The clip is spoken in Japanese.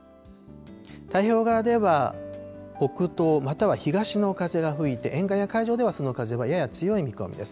太平洋側では北東、または東の風が吹いて、沿岸や海上ではその風はやや強い見込みです。